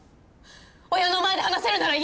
親の前で話せるなら言えばいい！